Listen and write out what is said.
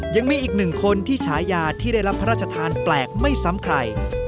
ยังมีอีกหนึ่งคนที่ฉายาที่ได้รับพระราชทานแปลกไม่ซ้ำใคร